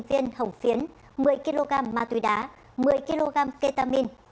sáu mươi viên hổng phiến một mươi kg ma túy đá một mươi kg ketamine